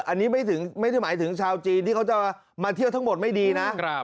อันนี้ไม่ได้หมายถึงชาวจีนที่เขาจะมาเที่ยวทั้งหมดไม่ดีนะ